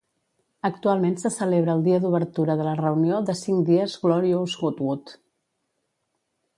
Actualment se celebra el dia d'obertura de la reunió de cinc dies Glorious Goodwood.